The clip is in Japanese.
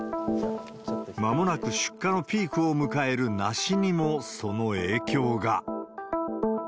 まもなく出荷のピークを迎えるナシにもその影響が。